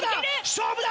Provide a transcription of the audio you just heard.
勝負だ！